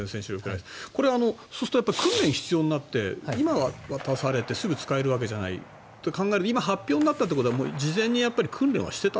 これ、訓練が必要になって今、渡されてすぐ使えるわけじゃないと考えると今、発表になったということは事前に訓練はしていた？